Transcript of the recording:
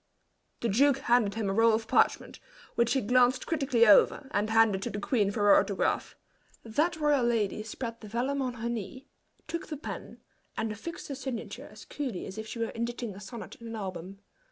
The duke handed him a roll of parchment, which he glanced critically over, and handed to the queen for her autograph. That royal lady spread the vellum on her knee, took the pen and affixed her signature as coolly as if she were inditing a sonnet in an album.